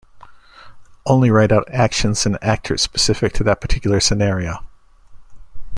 Only write out actions and actors specific to that particular scenario.